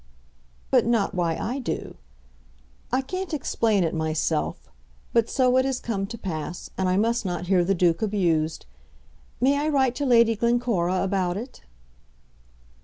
"But not why I do. I can't explain it myself; but so it has come to pass, and I must not hear the Duke abused. May I write to Lady Glencora about it?"